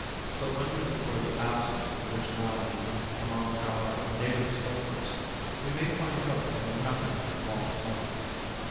But when we deplore the absence of origin ality among our native sculptors, we may find hope in remembering Wallace Martin.